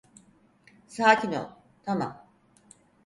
Sakin ol, tamam.